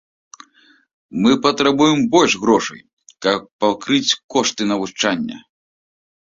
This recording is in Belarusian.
Мы патрабуем больш грошай, каб пакрыць кошты навучання.